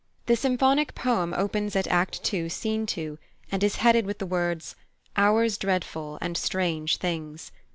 The symphonic poem opens at Act ii., Scene 2, and is headed with the words, "Hours dreadful and strange things."